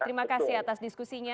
terima kasih atas diskusinya